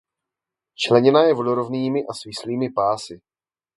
Členěna je vodorovnými a svislými pásy.